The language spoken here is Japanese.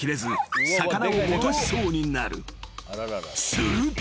［すると］